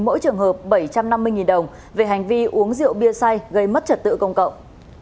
mỗi trường hợp bảy trăm năm mươi đồng về hành vi uống rượu bia xay gây mất trật tự công cộng